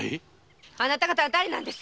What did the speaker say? あなた方はだれなんです？